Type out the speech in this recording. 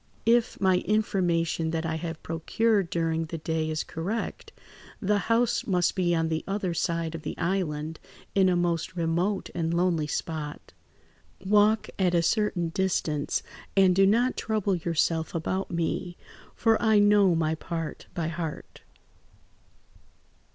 "If my information that I have procured during the day is correct, the house must be on the other side of the island, in a most remote and lonely spot. Walk at a certain distance, and do not trouble yourself about me, for I know my part by heart."